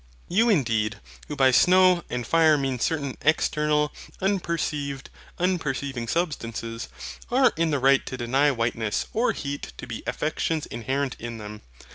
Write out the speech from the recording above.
You indeed, who by SNOW and fire mean certain external, unperceived, unperceiving substances, are in the right to deny whiteness or heat to be affections inherent in THEM.